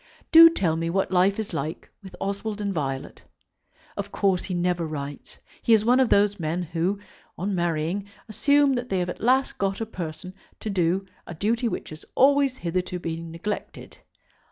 Do tell me what life is like with Oswald and Violet. Of course he never writes. He is one of those men who, on marrying, assume that they have at last got a person to do a duty which has always hitherto been neglected.